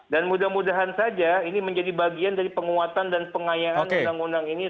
dan mudah mudahan saja ini menjadi bagian dari penguatan dan pengayaan undang undang ini